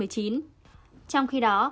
trong khi đó